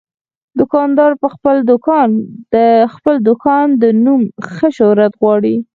دوکاندار د خپل دوکان د نوم ښه شهرت غواړي.